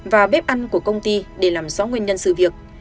và bếp ăn của công ty để làm rõ nguyên nhân sự việc